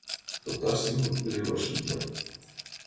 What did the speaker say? Йолташ семын веле вашлийынна...